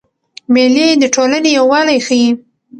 مېلې د ټولني یووالی ښيي.